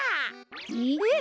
えっ？